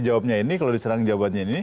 jawabnya ini kalau diserang jawabannya ini